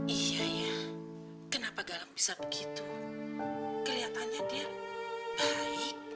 iya iya kenapa galang bisa begitu kelihatannya dia baik